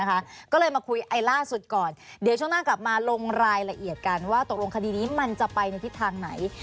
ก็เลยมาคุยไอล่าสุดก่อนเดี๋ยวช่วงหน้ากลับมาลงรายละเอียดกันว่าตกลงคดีนี้มันจะไปในทิศทางไหน